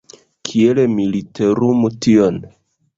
Kiel mi literumu tion?